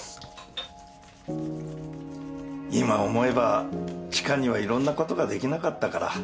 今思えば知花にはいろんなことができなかったから。